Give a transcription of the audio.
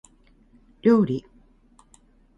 料理